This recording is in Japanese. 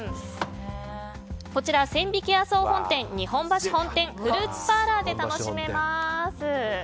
こちら、千疋屋総本店日本橋本店フルーツパーラーで楽しめます。